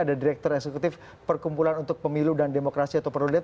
ada direktur eksekutif perkumpulan untuk pemilu dan demokrasi atau perludet